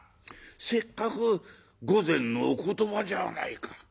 せっかく御前のお言葉じゃないか。